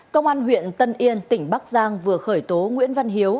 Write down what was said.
cơ quan huyện tân yên tỉnh bắc giang vừa khởi tố nguyễn văn hiếu